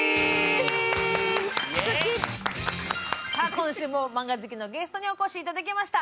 今週もマンガ好きのゲストにお越しいただきました。